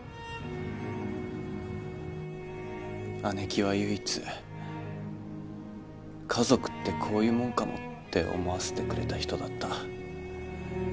現在姉貴は唯一家族ってこういうもんかもって思わせてくれた人だった。